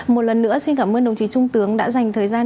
một lần nữa xin cảm ơn đồng chí trung tướng đã dành thời gian